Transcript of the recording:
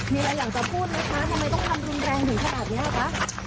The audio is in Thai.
มีอะไรอยากจะพูดไหมคะทำไมต้องทำรุนแรงถึงขนาดนี้คะ